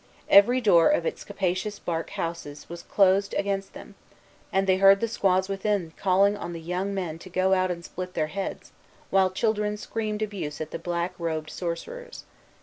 Every door of its capacious bark houses was closed against them; and they heard the squaws within calling on the young men to go out and split their heads, while children screamed abuse at the black robed sorcerers.